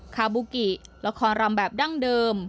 คาบูกิละครรำแบบดั้งเดิม